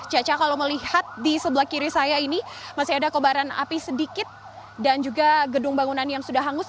caca kalau melihat di sebelah kiri saya ini masih ada kobaran api sedikit dan juga gedung bangunan yang sudah hangus